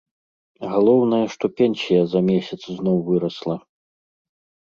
Галоўнае, што пенсія за месяц зноў вырасла.